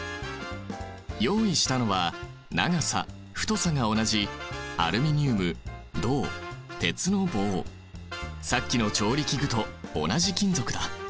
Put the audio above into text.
用意したのは長さ太さが同じさっきの調理器具と同じ金属だ！